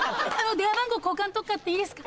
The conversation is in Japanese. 電話番号交換とかっていいですか？